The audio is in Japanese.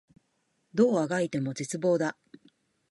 どう足掻いても絶望だ